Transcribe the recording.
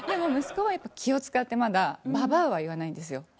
息子は気を遣ってまだ「ババア」は言わないんですよ。